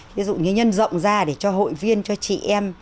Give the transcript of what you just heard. ví dụ như nhân rộng ra để cho hội viên cho chị em